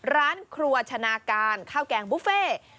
ร้านครัวชนาการข้าวแกงบุฟเฟ่